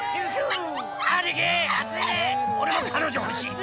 俺も彼女欲しい